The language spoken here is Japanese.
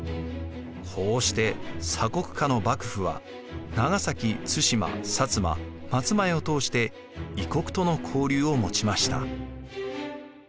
こうして鎖国下の幕府は長崎・対馬・摩・松前を通して異国との交流を持ちました。